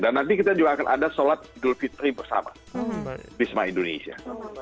dan nanti kita juga akan ada sholat dhul fitri bersama di semua indonesia